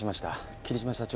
霧島社長